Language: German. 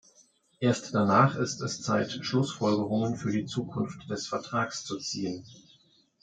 Erst danach ist es Zeit, Schlussfolgerungen für die Zukunft des Vertrags zu ziehen.